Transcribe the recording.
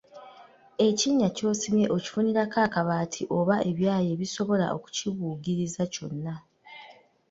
Ekinnya ky'osimye okifunirako akabaati oba ebyayi ebisobola okukibugiriza kyonna.